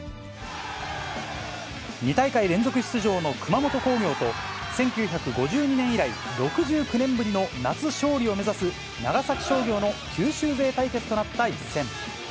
２大会連続出場の熊本工業と、１９５２年以来、６９年ぶりの夏勝利を目指す長崎商業の九州勢対決となった一戦。